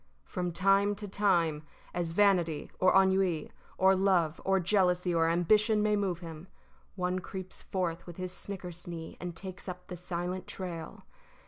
. From time to time, as vanity or ennui or love or jealousy or ambition may move him, one creeps forth with his snickersnee and takes up the silent trail